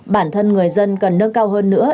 bản thân người dân cần nâng cao hơn nữa